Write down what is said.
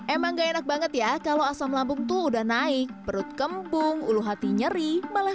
emang enak banget ya kalau asam lambung tuh udah naik perut kembung ulu hati nyeri malah